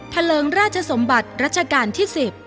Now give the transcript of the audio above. เลิงราชสมบัติรัชกาลที่๑๐